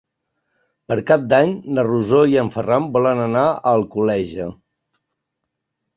Per Cap d'Any na Rosó i en Ferran volen anar a Alcoleja.